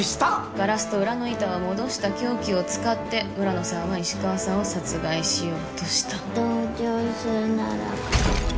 ガラスと裏の板を戻した凶器を使って村野さんは石川さんを殺害しようとした同情するなら